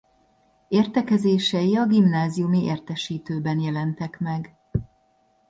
Értekezései a gimnáziumi Értesítőben jelentek meg.